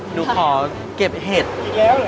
หนูขอเก็บเห็ดเนี๊ยว